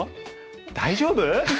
大丈夫？